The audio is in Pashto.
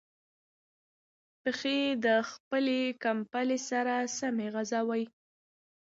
پښې د خپلې کمپلې سره سمې وغځوئ.